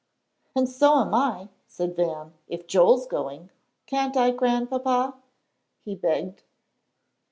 "And so am I," said Van, "if Joel's going. Can't I, Grandpapa?" he begged.